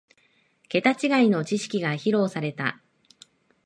ケタ違いの知識が披露された